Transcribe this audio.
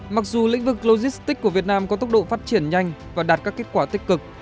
mặc dù lĩnh vực logistics của việt nam có tốc độ phát triển nhanh và đạt các kết quả tích cực